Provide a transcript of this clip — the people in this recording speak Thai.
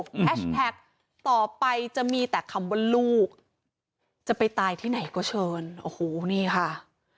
แฮชแท็กต่อไปจะมีแต่คำว่าลูกจะไปตายที่ไหนก็เชิญโอ้โหนี่ค่ะ